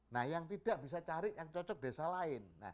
nah yang tidak bisa cari yang cocok desa lain